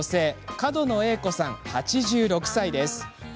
角野栄子さん、８６歳です。